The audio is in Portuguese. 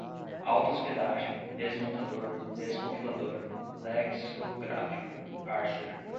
auto-hospedagem, desmontador, descompilador, lexicográfica, parser